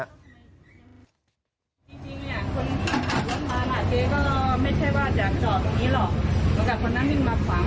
แล้วก็เขาเหย่เล่นกันรึเปล่าสักขั้น